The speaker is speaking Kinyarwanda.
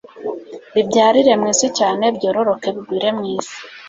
bibyarire mu isi cyane byororoke bigwire mu isi